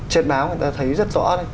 trên báo người ta thấy rất rõ